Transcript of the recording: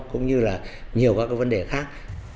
cũng như là nhiều các cái vấn đề khác